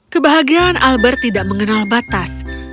kebahagiaan albert tidak mengenal batas